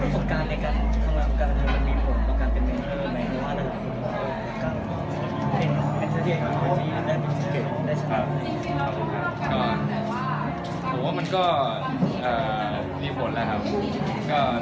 ผมว่ามันก็มีผลอะไรครับ